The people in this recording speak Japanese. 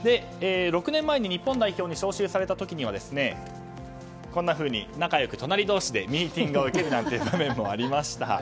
６年前に日本代表に招集された時にはこんなふうに仲良く隣同士でミーティングを受ける場面もありました。